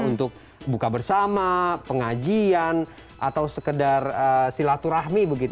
untuk buka bersama pengajian atau sekedar silaturahmi